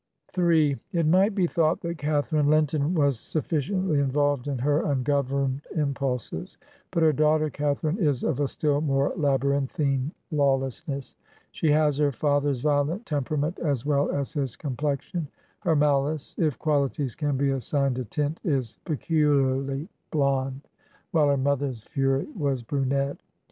m It might be thought that Catharine Linton was suf ficiently involved in her ungovemed impulses ; but her daughter Catharine is of a still more labyrinthine law lessness. She has her father's violent temperament, as well as his complexion; her maUce, if quahties can be assigned a tint, is peculiarly blond, while her mother's fury was brunette.